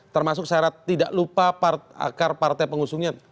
termasuk syarat tidak lupa akar partai pengusungnya